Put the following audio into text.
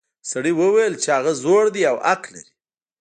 سړي وویل چې هغه زوړ دی او حق لري.